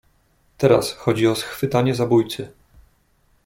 "Teraz chodzi o schwytanie zabójcy."